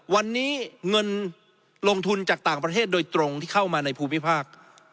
วันนี้เงินลงทุนจากต่างประเทศโดยตรงที่เข้ามาในภูมิภาค